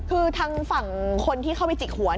คือทางฝั่งคนที่เข้าไปจิกหัว